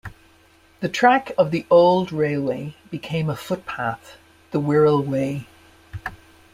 The track of the old railway became a footpath, the Wirral Way.